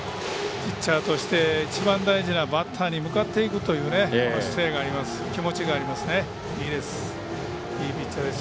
ピッチャーとして一番大事なバッターに向かっていくという姿勢と気持ちがありますね、いいです。